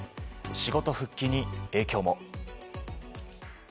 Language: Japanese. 仕事復帰に影響も。